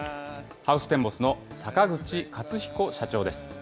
ハウステンボスの坂口克彦社長です。